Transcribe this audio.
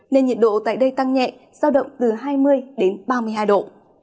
nền nhiệt độ tại đây tăng nhẹ giao động từ hai mươi ba mươi hai độ